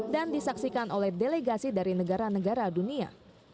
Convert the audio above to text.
disaksikan oleh delegasi dari negara negara dunia